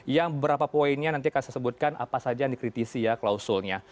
yang berapa poinnya nanti akan saya sebutkan apa saja yang dikritisi ya klausulnya